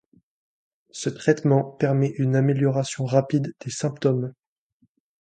Ce traitement permet une amélioration rapide des symptômes.